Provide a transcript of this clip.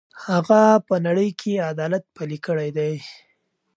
هغه په نړۍ کې عدالت پلی کړی دی.